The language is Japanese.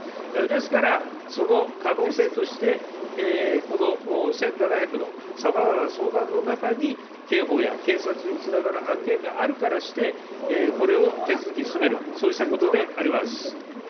ですから、その可能性として、この１７００のさまざまな相談の中に、刑法や警察につながる案件があるからして、これを手続きを進める、そうしたことであります。